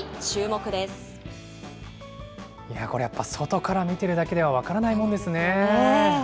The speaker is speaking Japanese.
これやっぱ、外から見てるだけでは分からないものですね。